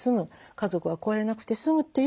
家族は壊れなくて済むっていう。